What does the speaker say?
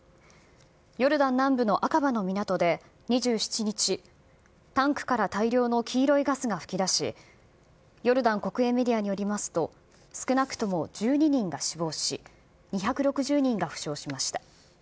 ヨルダン南部のアカバの港で２７日、タンクから大量の黄色いガスが噴き出し、ヨルダン国営メディアによりますと、少なくとも１２人が死亡し、２６０人が負傷しました。